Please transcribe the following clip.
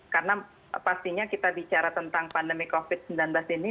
karena pastinya kita bicara tentang pandemi covid sembilan belas ini